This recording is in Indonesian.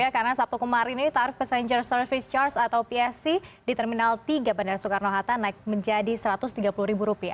karena sabtu kemarin tarif passenger service charge atau psc di terminal tiga bandara soekarno hatta naik menjadi rp satu ratus tiga puluh